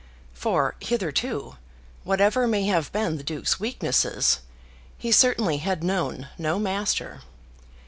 For, hitherto, whatever may have been the Duke's weaknesses, he certainly had known no master.